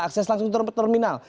akses langsung ke terminal